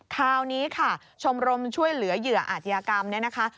คราวนี้ค่ะชมรมช่วยเหลือเหยื่ออาชญากรรมเนี่ยนะคะ